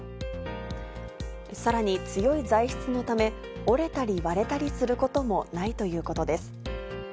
さらに強い材質のため、折れたり割れたりすることもないということです。